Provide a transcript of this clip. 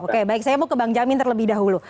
oke baik saya mau ke bang jamin terlebih dahulu